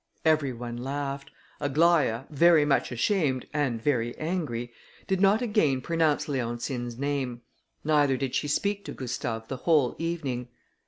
Every one laughed: Aglaïa, very much ashamed, and very angry, did not again pronounce Leontine's name, neither did she speak to Gustave the whole evening.